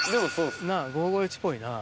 なぁ５５１っぽいな。